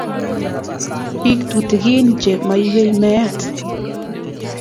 Bik tutukin che maiwei meet